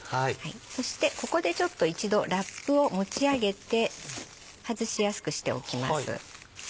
そしてここでちょっと一度ラップを持ち上げて外しやすくしておきます。